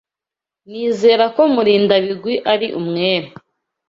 Nizera ko Murindabigwi ari umwere.